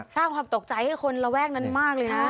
สร้างความตกใจให้คนระแวกนั้นมากเลยนะ